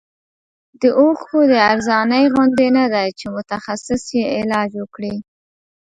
د اوښکو د ارزانۍ غوندې نه دی چې متخصص یې علاج وکړي.